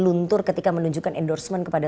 luntur ketika menunjukkan endorsement kepada